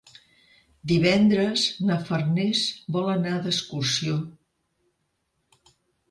Divendres na Farners vol anar d'excursió.